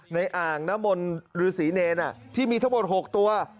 ในอ่างนมลหรือศรีเนรที่มีทั้งหมดหกตัว